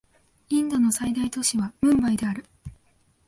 インドの最大都市はムンバイである